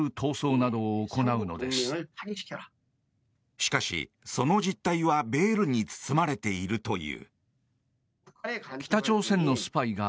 しかし、その実態はベールに包まれているという。